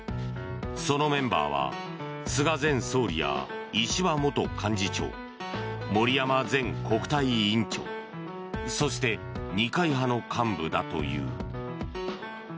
そのメンバーは菅前総理や石破元幹事長森山前国対委員長そして二階派の幹部だという。